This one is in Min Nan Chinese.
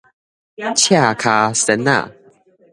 赤跤仙仔